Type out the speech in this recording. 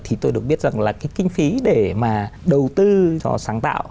thì tôi được biết rằng là cái kinh phí để mà đầu tư cho sáng tạo